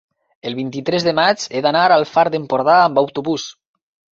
el vint-i-tres de maig he d'anar al Far d'Empordà amb autobús.